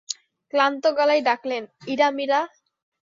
ক্লান্ত গলায় ডাকলেন, ইরা-মীরা।